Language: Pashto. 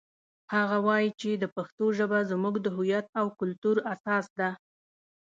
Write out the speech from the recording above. هغه وایي چې د پښتو ژبه زموږ د هویت او کلتور اساس ده